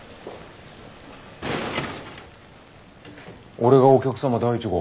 俺がお客様第１号？